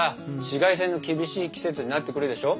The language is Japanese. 紫外線の厳しい季節になってくるでしょ。